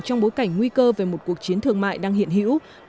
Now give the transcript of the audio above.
trong bối cảnh nguy cơ về một cuộc chiến thương mại đang hiện hữu